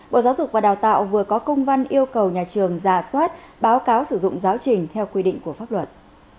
bộ giáo dục và đào tạo vừa có công văn yêu cầu nhà trường giả soát báo cáo sử dụng giáo trình theo quy định của pháp luật